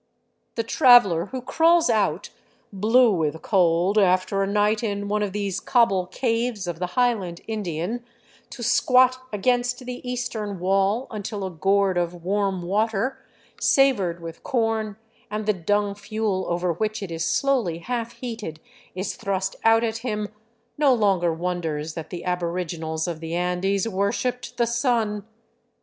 The traveler who crawls out, blue with cold, after a night in one of these cobble caves of the highland Indian, to squat against the eastern 282 DRAWBACKS OF THE TRAIL wall until a gourd of warm water, savored with corn and the dung fuel over which it is slowly half heated, is thrust out at him, no longer won ders that the aboriginals of the Andes worshipped the sun.